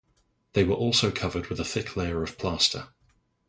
They were also covered with a thick layer of plaster.